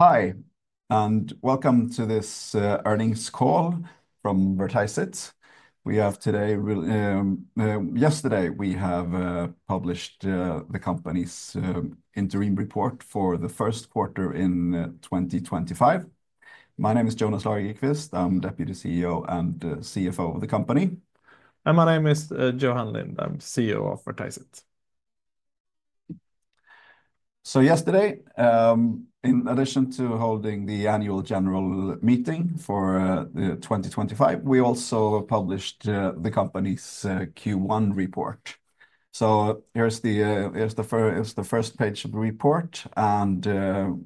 Hi, and welcome to this earnings call from Vertiseit. We have today, yesterday we have published the company's interim report for the first quarter in 2025. My name is Jonas Lagerqvist. I'm Deputy CEO and CFO of the company. My name is Johan Lind. I'm CEO of Vertiseit. Yesterday, in addition to holding the annual general meeting for 2025, we also published the company's Q1 report. Here is the first page of the report, and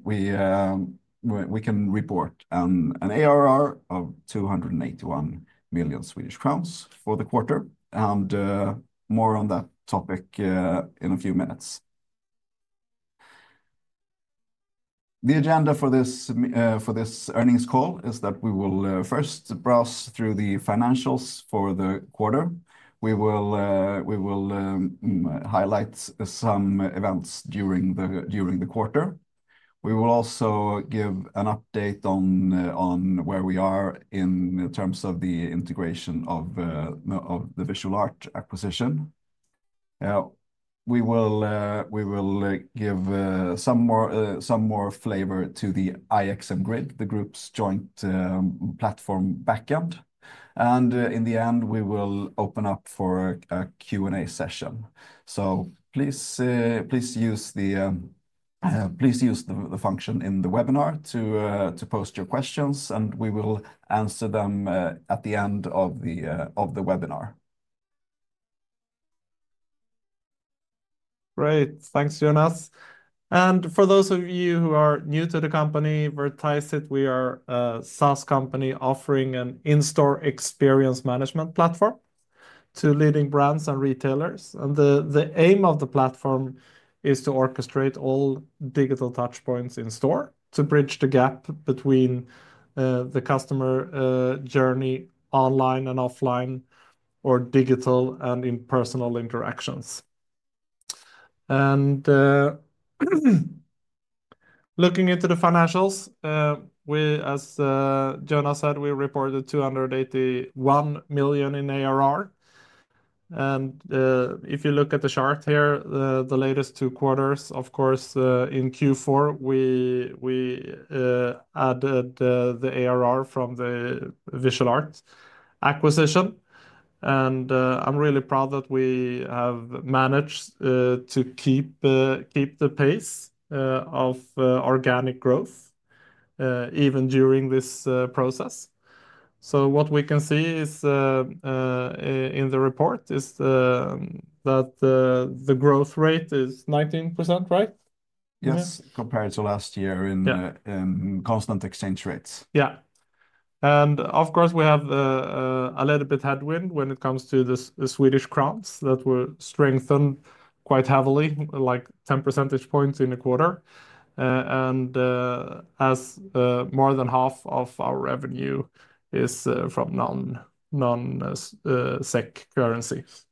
we can report an ARR of 281 million Swedish crowns for the quarter, and more on that topic in a few minutes. The agenda for this earnings call is that we will first browse through the financials for the quarter. We will highlight some events during the quarter. We will also give an update on where we are in terms of the integration of the Visual Art acquisition. We will give some more flavor to the IXM Grid, the group's joint platform backend. In the end, we will open up for a Q&A session. Please use the function in the webinar to post your questions, and we will answer them at the end of the webinar. Great. Thanks, Jonas. For those of you who are new to the company, Vertiseit, we are a SaaS company offering an in-store experience management platform to leading brands and retailers. The aim of the platform is to orchestrate all digital touchpoints in store to bridge the gap between the customer journey online and offline or digital and in-person interactions. Looking into the financials, as Jonas said, we reported 281 million in ARR. If you look at the chart here, the latest two quarters, of course, in Q4, we added the ARR from the Visual Art acquisition. I am really proud that we have managed to keep the pace of organic growth even during this process. What we can see in the report is that the growth rate is 19%, right? Yes, compared to last year in constant exchange rates. Yeah. Of course, we have a little bit of headwind when it comes to the Swedish krona that were strengthened quite heavily, like 10 percentage points in the quarter. As more than half of our revenue is from non-SEK currencies.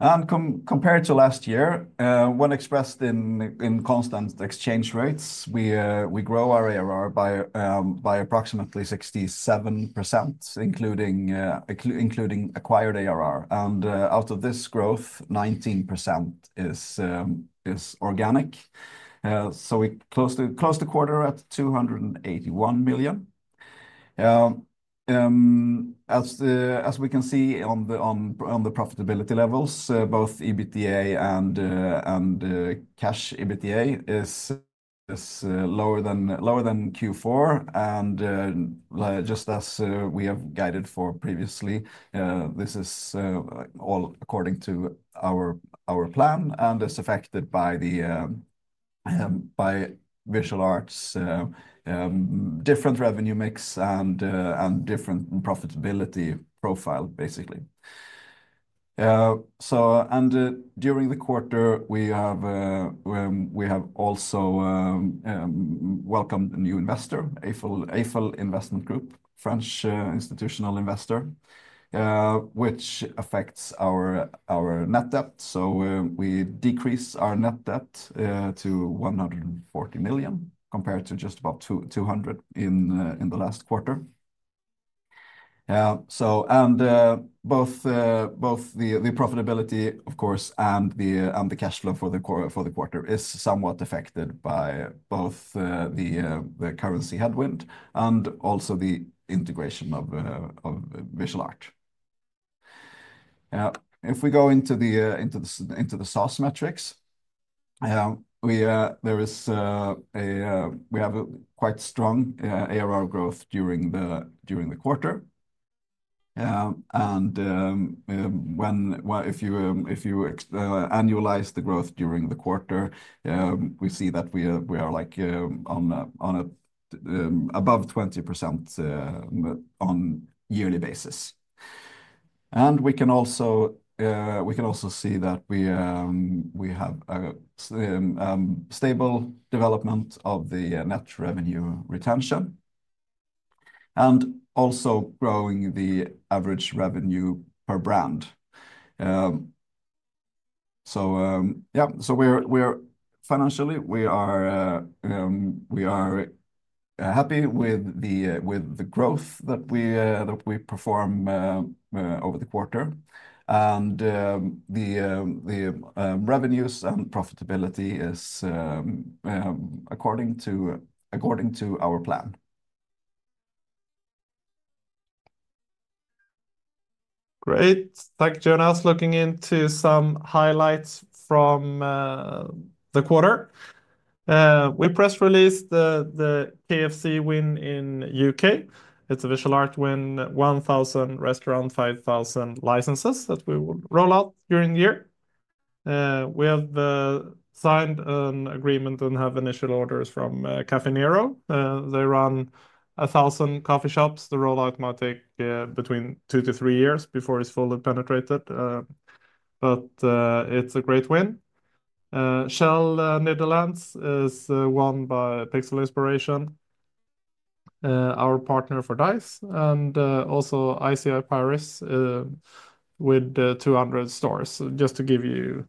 Compared to last year, when expressed in constant exchange rates, we grow our ARR by approximately 67%, including acquired ARR. Out of this growth, 19% is organic. We closed the quarter at 281 million. As we can see on the profitability levels, both EBITDA and cash EBITDA is lower than Q4. Just as we have guided for previously, this is all according to our plan and is affected by Visual Art's different revenue mix and different profitability profile, basically. During the quarter, we have also welcomed a new investor, Eiffel Investment Group, French institutional investor, which affects our net debt. We decreased our net debt to 140 million compared to just about 200 million in the last quarter. Both the profitability, of course, and the cash flow for the quarter is somewhat affected by both the currency headwind and also the integration of Visual Art. If we go into the SaaS metrics, we have a quite strong ARR growth during the quarter. If you annualize the growth during the quarter, we see that we are like above 20% on a yearly basis. We can also see that we have a stable development of the net revenue retention and also growing the average revenue per brand. Financially, we are happy with the growth that we perform over the quarter. The revenues and profitability is according to our plan. Great. Thank you, Jonas. Looking into some highlights from the quarter. We press released the KFC win in the U.K. It's a Visual Art win, 1,000 restaurants, 5,000 licenses that we will roll out during the year. We have signed an agreement and have initial orders from Caffe Nero. They run 1,000 coffee shops. The rollout might take between two to three years before it's fully penetrated. It is a great win. Shell Netherlands is won by Pixel Inspiration, our partner for Dise, and also ICI Paris with 200 stores. Just to give you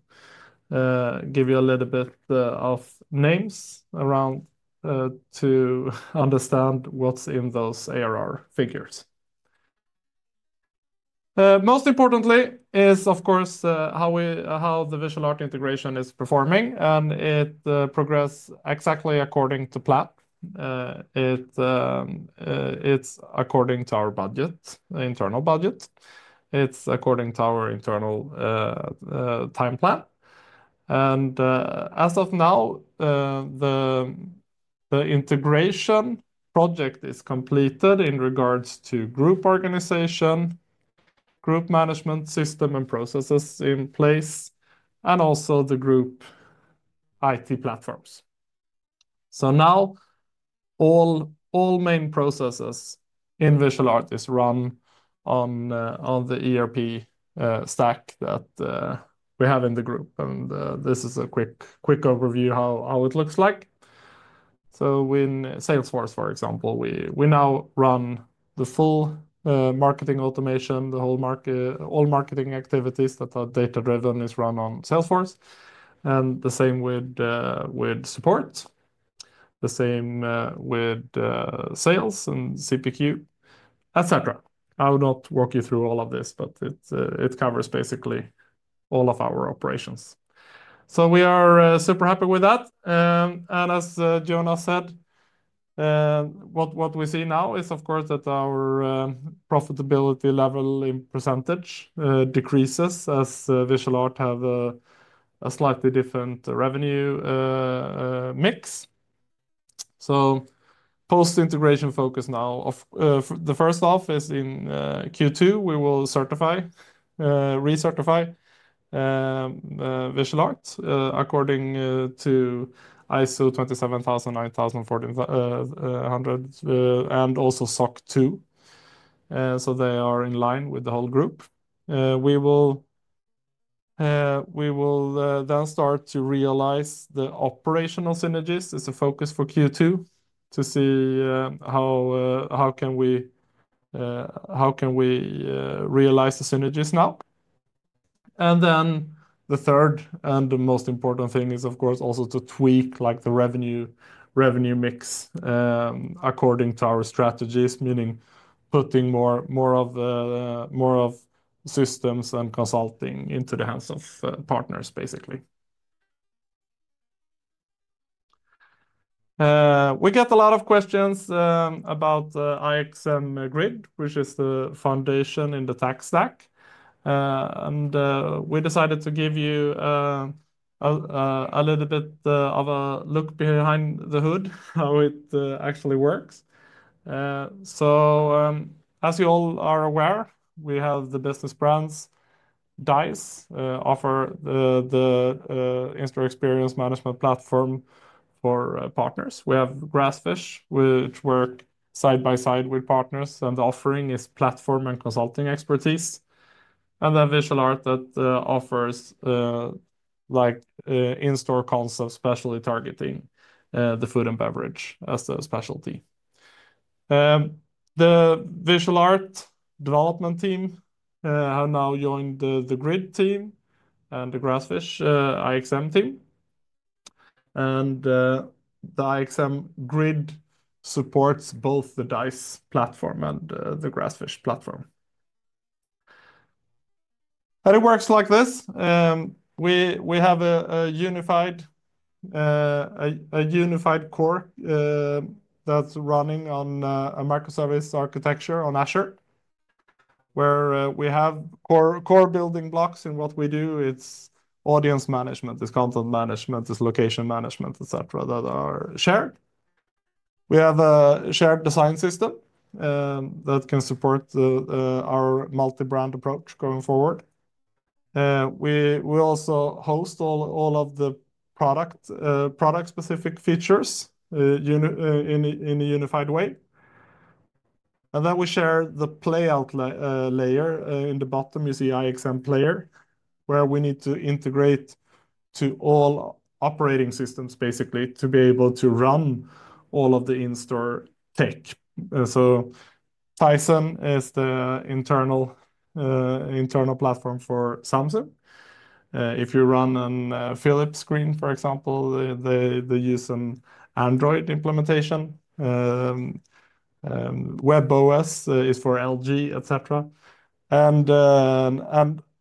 a little bit of names around to understand what's in those ARR figures. Most importantly is, of course, how the Visual Art integration is performing. It progressed exactly according to plan. It's according to our budget, internal budget. It's according to our internal time plan. As of now, the integration project is completed in regards to group organization, group management system and processes in place, and also the group IT platforms. Now all main processes in Visual Art are run on the ERP stack that we have in the group. This is a quick overview of how it looks like. In Salesforce, for example, we now run the full marketing automation, the whole marketing activities that are data-driven is run on Salesforce. The same with support, the same with sales and CPQ, etc. I will not walk you through all of this, but it covers basically all of our operations. We are super happy with that. As Jonas said, what we see now is, of course, that our profitability level in percentage decreases as Visual Art have a slightly different revenue mix. Post-integration focus now, the first off is in Q2, we will recertify Visual Art according to ISO 27001, 14001, and also SOC 2. They are in line with the whole group. We will then start to realize the operational synergies. It's a focus for Q2 to see how can we realize the synergies now. The third and the most important thing is, of course, also to tweak the revenue mix according to our strategies, meaning putting more of systems and consulting into the hands of partners, basically. We get a lot of questions about IXM Grid, which is the foundation in the tech stack. We decided to give you a little bit of a look behind the hood, how it actually works. As you all are aware, we have the business brands Dise, offer the in-store experience management platform for partners. We have Grassfish, which work side by side with partners, and the offering is platform and consulting expertise. Visual Art offers in-store concepts, especially targeting the food and beverage as the specialty. The Visual Art development team have now joined the Grid team and the Grassfish IXM team. The IXM Grid supports both the Dise platform and the Grassfish platform. It works like this. We have a unified core that is running on a microservice architecture on Azure, where we have core building blocks in what we do. It is audience management, it is content management, it is location management, etc., that are shared. We have a shared design system that can support our multi-brand approach going forward. We also host all of the product-specific features in a unified way. We share the playout layer. In the bottom, you see IXM Player, where we need to integrate to all operating systems, basically, to be able to run all of the in-store tech. Tizen is the internal platform for Samsung. If you run on a Philips screen, for example, they use an Android implementation. webOS is for LG, etc.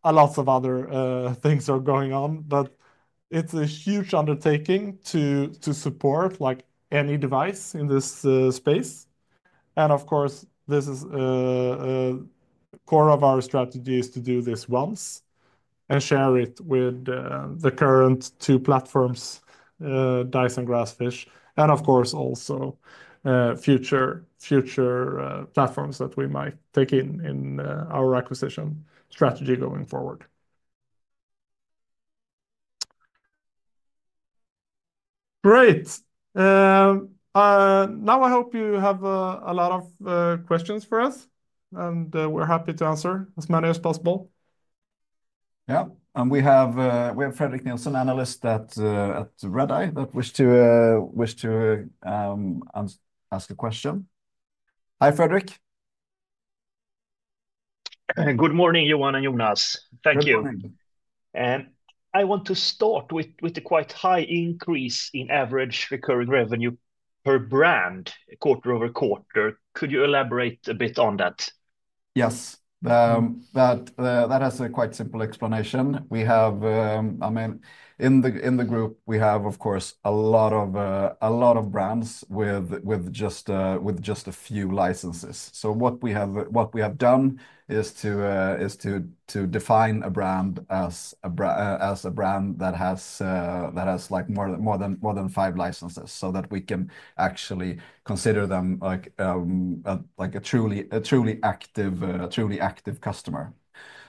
Lots of other things are going on, but it is a huge undertaking to support any device in this space. Of course, this is core of our strategy, to do this once and share it with the current two platforms, Dise and Grassfish. Of course, also future platforms that we might take in our acquisition strategy going forward. Great. Now I hope you have a lot of questions for us, and we are happy to answer as many as possible. Yeah. We have Fredrik Nilsson, analyst at Redeye, that wished to ask a question. Hi, Fredrik. Good morning, Johan and Jonas. Thank you. I want to start with the quite high increase in average recurring revenue per brand quarter over quarter. Could you elaborate a bit on that? Yes. That has a quite simple explanation. I mean, in the group, we have, of course, a lot of brands with just a few licenses. What we have done is to define a brand as a brand that has more than five licenses so that we can actually consider them like a truly active customer.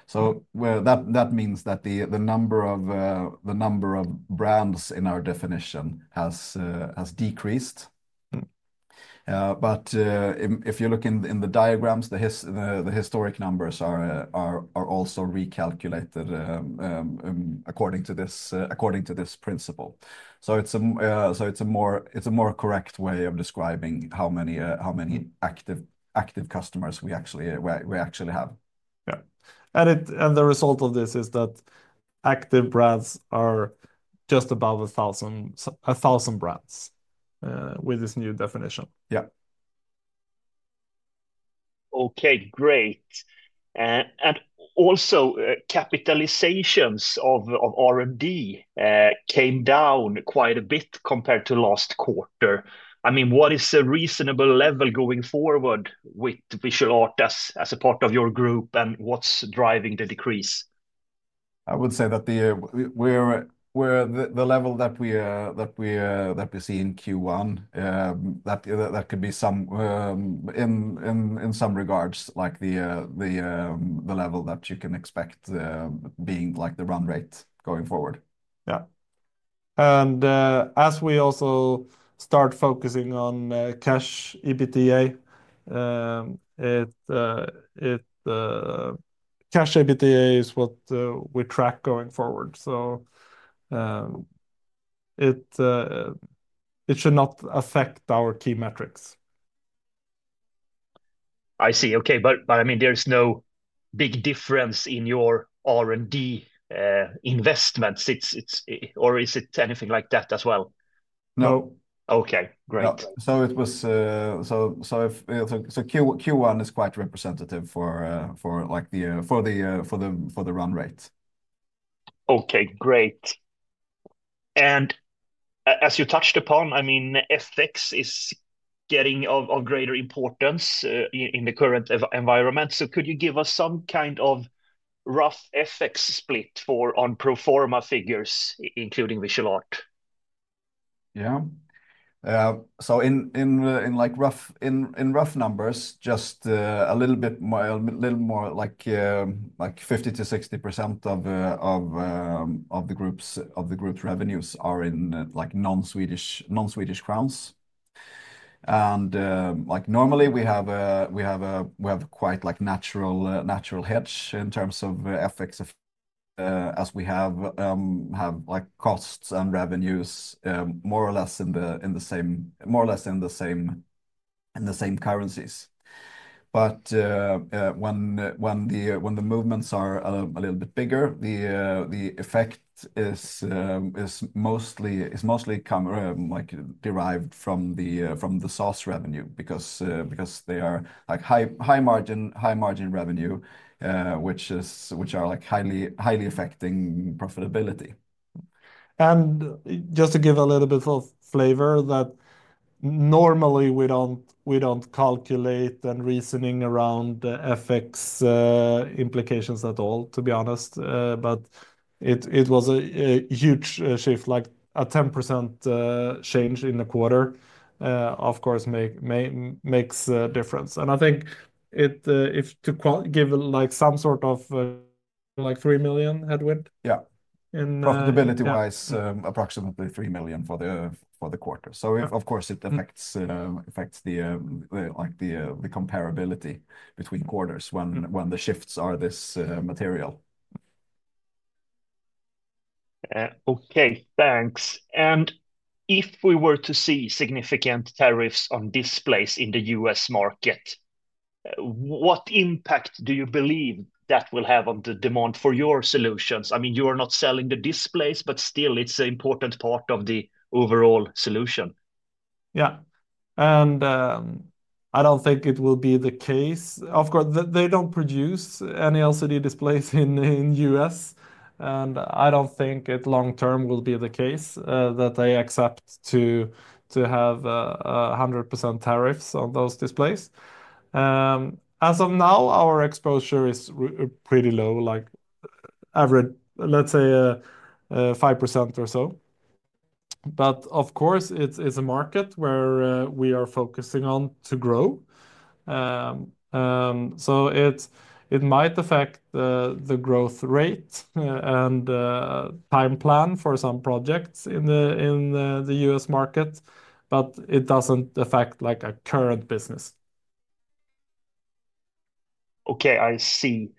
That means that the number of brands in our definition has decreased. If you look in the diagrams, the historic numbers are also recalculated according to this principle. It is a more correct way of describing how many active customers we actually have. Yeah. The result of this is that active brands are just above 1,000 brands with this new definition. Yeah. Okay, great. Also, capitalizations of R&D came down quite a bit compared to last quarter. I mean, what is a reasonable level going forward with Visual Art as a part of your group, and what's driving the decrease? I would say that we're at the level that we see in Q1, that could be in some regards, like the level that you can expect being like the run rate going forward. Yeah. As we also start focusing on cash EBITDA, cash EBITDA is what we track going forward. It should not affect our key metrics. I see. Okay. I mean, there's no big difference in your R&D investments, or is it anything like that as well? No. Okay. Great. Q1 is quite representative for the run rate. Okay, great. As you touched upon, I mean, FX is getting of greater importance in the current environment. Could you give us some kind of rough FX split on proforma figures, including Visual Art? Yeah. In rough numbers, just a little bit more like 50-60% of the group's revenues are in non-Swedish crowns. Normally, we have quite a natural hedge in terms of FX as we have costs and revenues more or less in the same currencies. When the movements are a little bit bigger, the effect is mostly derived from the SaaS revenue because they are high margin revenue, which are highly affecting profitability. Just to give a little bit of flavor, that normally we do not calculate and reasoning around FX implications at all, to be honest. It was a huge shift, like a 10% change in the quarter, of course, makes a difference. I think if to give some sort of like 3 million headwind. Yeah. Profitability-wise, approximately 3 million for the quarter. Of course, it affects the comparability between quarters when the shifts are this material. Okay, thanks. If we were to see significant tariffs on displays in the US market, what impact do you believe that will have on the demand for your solutions? I mean, you are not selling the displays, but still, it's an important part of the overall solution. Yeah. I do not think it will be the case. Of course, they do not produce any LCD displays in the U.S. I do not think it long-term will be the case that they accept to have 100% tariffs on those displays. As of now, our exposure is pretty low, like average, let's say 5% or so. Of course, it is a market where we are focusing on to grow. It might affect the growth rate and time plan for some projects in the U.S. market, but it does not affect our current business. Okay, I see.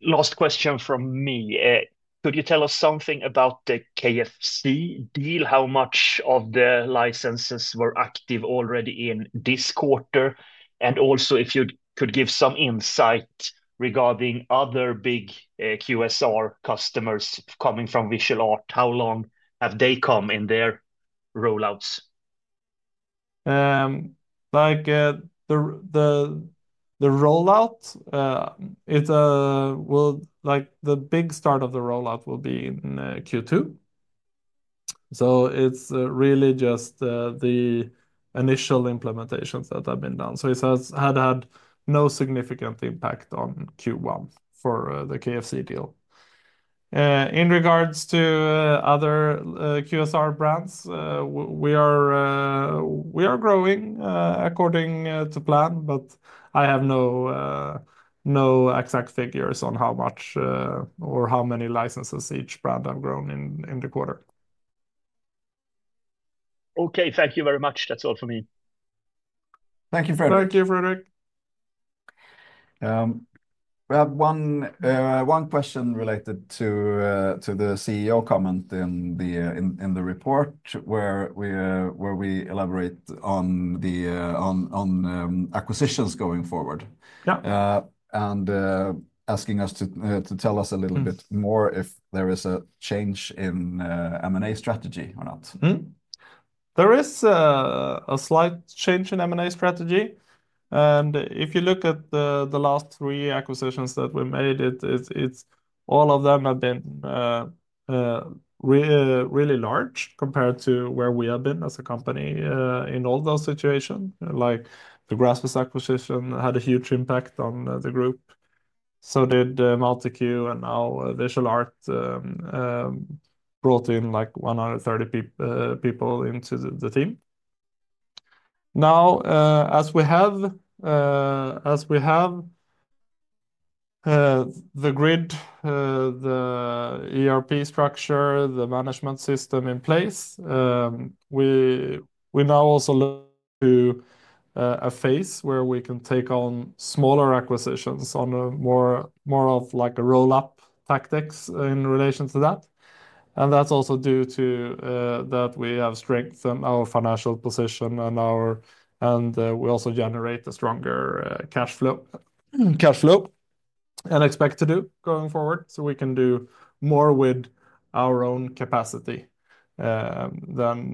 Last question from me. Could you tell us something about the KFC deal? How much of the licenses were active already in this quarter? Also, if you could give some insight regarding other big QSR customers coming from Visual Art, how long have they come in their rollouts? The rollout, the big start of the rollout will be in Q2. It is really just the initial implementations that have been done. It had no significant impact on Q1 for the KFC deal. In regards to other QSR brands, we are growing according to plan, but I have no exact figures on how much or how many licenses each brand have grown in the quarter. Okay, thank you very much. That's all for me. Thank you, Frederik. Thank you, Frederik. We have one question related to the CEO comment in the report where we elaborate on the acquisitions going forward. Asking us to tell us a little bit more if there is a change in M&A strategy or not. There is a slight change in M&A strategy. If you look at the last three acquisitions that we made, all of them have been really large compared to where we have been as a company in all those situations. Like the Grassfish acquisition had a huge impact on the group. So did MultiQ, and now Visual Art brought in like 130 people into the team. Now, as we have the grid, the ERP structure, the management system in place, we now also look to a phase where we can take on smaller acquisitions on more of like a roll-up tactics in relation to that. That is also due to that we have strengthened our financial position, and we also generate a stronger cash flow and expect to do going forward. We can do more with our own capacity than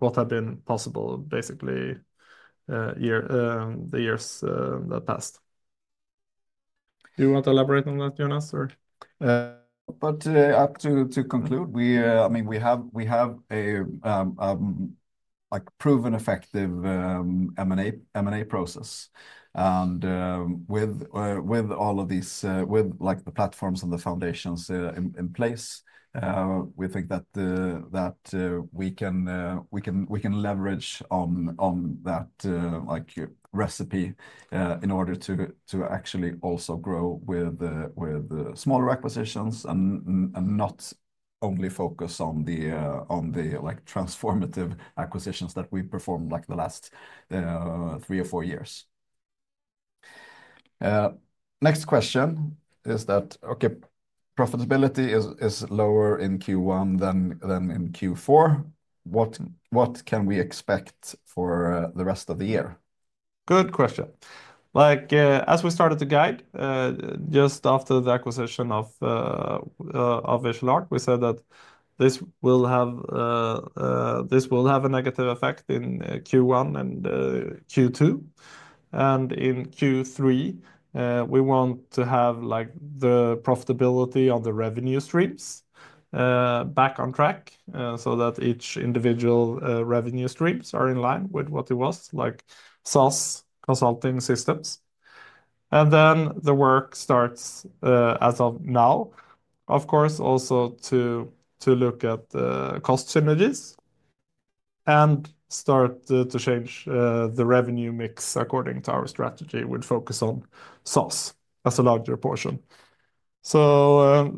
what had been possible basically the years that passed. Do you want to elaborate on that, Jonas, or? To conclude, I mean, we have a proven effective M&A process. With all of these, with the platforms and the foundations in place, we think that we can leverage on that recipe in order to actually also grow with smaller acquisitions and not only focus on the transformative acquisitions that we performed like the last three or four years. Next question is that, okay, profitability is lower in Q1 than in Q4. What can we expect for the rest of the year? Good question. As we started the guide, just after the acquisition of Visual Art, we said that this will have a negative effect in Q1 and Q2. In Q3, we want to have the profitability on the revenue streams back on track so that each individual revenue stream is in line with what it was, like SaaS, consulting, systems. The work starts as of now, of course, also to look at cost synergies and start to change the revenue mix according to our strategy. We would focus on SaaS as a larger portion. That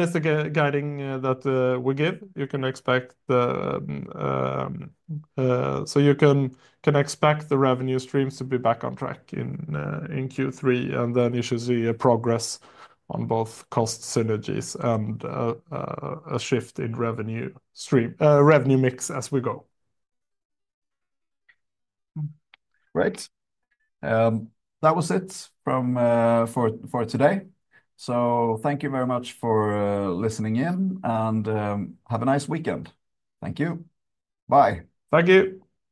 is the guiding that we give. You can expect the revenue streams to be back on track in Q3. You should see a progress on both cost synergies and a shift in revenue mix as we go. Great. That was it for today. Thank you very much for listening in, and have a nice weekend. Thank you. Bye. Thank you.